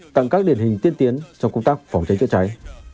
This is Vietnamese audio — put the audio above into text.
tặng các điển hình tiên tiến trong công tác phòng cháy chữa cháy